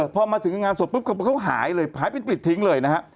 พอมาถึงงานสวดปุ๊บเขาหายเป็นปริตทิ้งเลยนะฮะ